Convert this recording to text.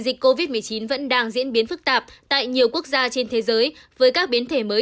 dịch covid một mươi chín vẫn đang diễn biến phức tạp tại nhiều quốc gia trên thế giới với các biến thể mới